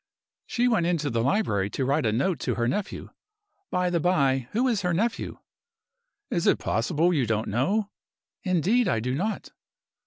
"She went into the library to write a note to her nephew. By the by, who is her nephew?" "Is it possible you don't know?" "Indeed, I don't."